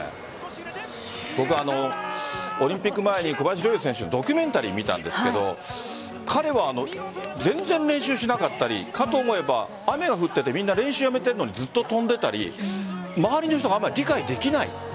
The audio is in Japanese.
僕、オリンピック前に小林陵侑選手のドキュメンタリー見たんですが彼は全然練習しなかったりかと思えば雨が降っていてみんな練習やめているのにずっと跳んでいたり周りの人があまり理解できない。